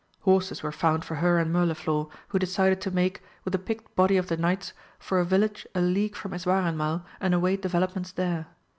Horses were found for her and Mirliflor, who decided to make, with a picked body of the knights, for a village a league from Eswareinmal and await developments there.